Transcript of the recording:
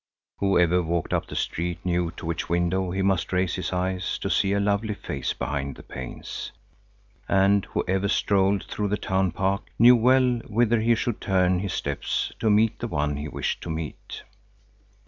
Who ever walked up the street knew to which window he must raise his eyes to see a lovely face behind the panes, and who ever strolled through the town park knew well whither he should turn his steps to meet the one he wished to meet.